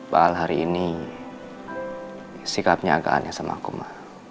bahal hari ini sikapnya agak aneh sama aku ma